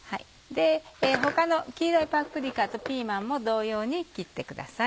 他の黄色いパプリカとピーマンも同様に切ってください。